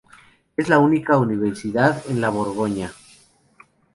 Es la única universidad en la Borgoña.